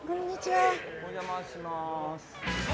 お邪魔します。